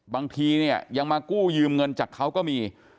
บางทีเนี่ยยังมากู้ยืมเงินจากเขาก็มี